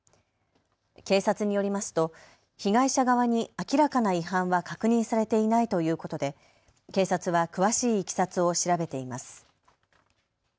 警察によりますと被害者側に明らかな違反は確認されていないということで警察は詳しいいきさつを調べています。